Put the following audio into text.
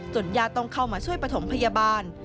ญาติต้องเข้ามาช่วยปฐมพยาบาล